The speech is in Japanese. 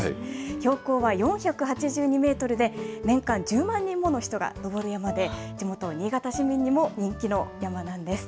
標高は４８２メートルで、年間１０万人もの人が登る山で、地元、新潟市民にも人気の山なんです。